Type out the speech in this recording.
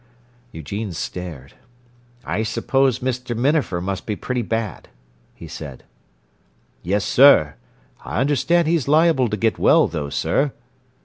Eugene stared. "I suppose Mr. Minafer must be pretty bad," he said. "Yes, sir. I understand he's liable to get well, though, sir."